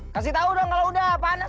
kasih tahu kalau udah panas nih di atas